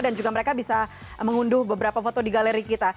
dan juga mereka bisa mengunduh beberapa foto di galeri kita